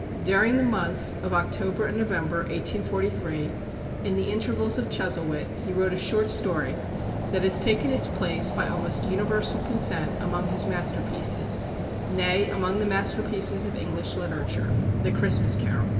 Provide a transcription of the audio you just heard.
During the months of October and November, 1843, in the intervals of "Chuzzlewit," he wrote a short story that has taken its place, by almost universal consent, among his masterpieces, nay, among the masterpieces of English literature: "The Christmas Carol."